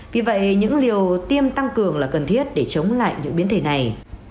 vì vậy những liều tiêm tăng cường là cần thiết để chống lại những biến thể này